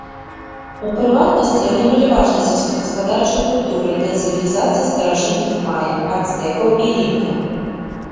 У прыватнасці, яны былі важнай сельскагаспадарчай культурай для цывілізацый старажытных мая, ацтэкаў і інкаў.